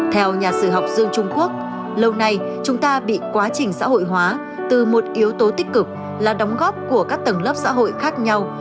theo nhà sử học dương trung quốc lâu nay chúng ta bị quá trình xã hội hóa từ một yếu tố tích cực là đóng góp của các tầng lớp xã hội khác nhau